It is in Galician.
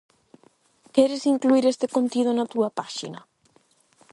Queres incluír este contido na túa páxina?